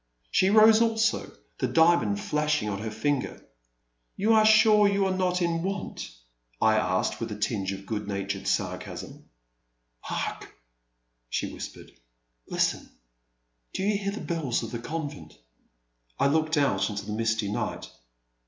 She rose also, the diamond flashing on her finger. You are sure that you are not in want ?" I asked, with a tinge of good natured sarcasm. 324 A Pleasant Evening. Hark !'* she whispered ;listen !— do you hear the bells of the convent !" I looked out into the misty night.